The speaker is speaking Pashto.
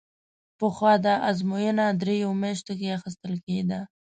پخوا دا ازموینه درېیو میاشتو کې اخیستل کېده.